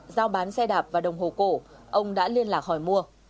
giao bán xe đạp và đồng hồ cổ ông đã liên lạc hỏi mua